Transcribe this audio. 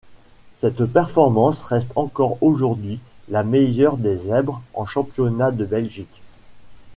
Cette performance reste encore aujourd'hui la meilleure des Zèbres en championnat de Belgique.